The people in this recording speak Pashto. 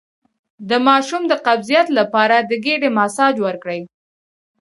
د ماشوم د قبضیت لپاره د ګیډې مساج وکړئ